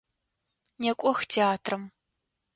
Некӏох театрэм!